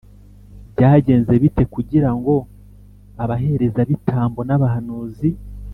Byagenze bite kugira ngo abaherezabitambo n’abahanuzi